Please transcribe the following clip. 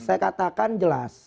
saya katakan jelas